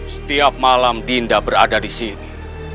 setiap malam dinda berada disini